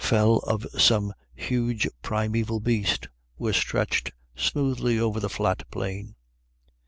9 fell of some huge primaeval beast were stretched smoothly over the flat plain.